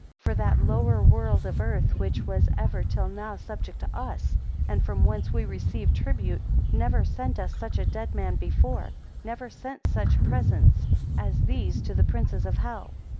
For that lower world of earth, which was ever till now subject to us, and from whence we received tribute, never sent us such a dead man before, never sent such presents as these to the princes of hell.